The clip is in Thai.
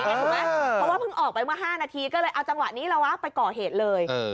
ถูกไหมเพราะว่าเพิ่งออกไปเมื่อ๕นาทีก็เลยเอาจังหวะนี้ละวะไปก่อเหตุเลย